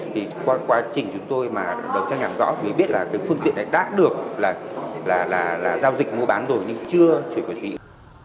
thì quá trình chúng tôi mà đầu trang nhạc rõ thì biết là cái phương tiện này đã được là giao dịch mua bán rồi nhưng chưa chuyển về xử lý